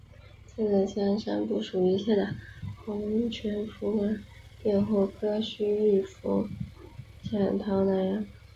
正在香山部署一切的洪全福闻变后割须易服潜逃南洋。